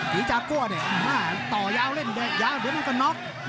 กีจะกลัวนี่ต่อยาวเล่นยาวเหมือนมันก็น็อค